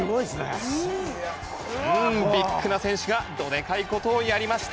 ビッグな選手がどでかいことをやりました。